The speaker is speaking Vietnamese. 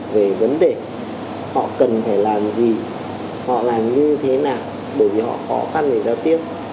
về vấn đề họ cần phải làm gì họ làm như thế nào bởi vì họ khó khăn về giao tiếp